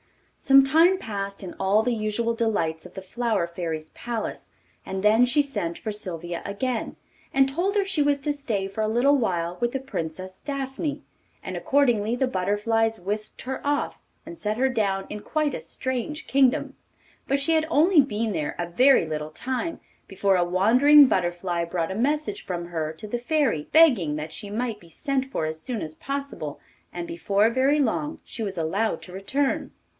Some time passed in all the usual delights of the Flower Fairy's palace, and then she sent for Sylvia again, and told her she was to stay for a little while with the Princess Daphne, and accordingly the butterflies whisked her off, and set her down in quite a strange kingdom. But she had only been there a very little time before a wandering butterfly brought a message from her to the Fairy, begging that she might be sent for as soon as possible, and before very long she was allowed to return.